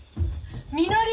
・・みのり！